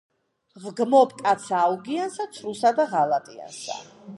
ვგმობ კაცსა აუგიანსა, ცრუსა და ღალატიანსა;